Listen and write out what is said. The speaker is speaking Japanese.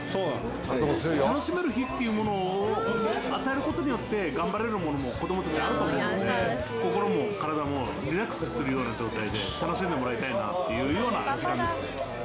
楽しめる日っていうものを与える事によって頑張れるものも子どもたちあると思うので心も体もリラックスするような状態で楽しんでもらいたいなっていうような時間ですね。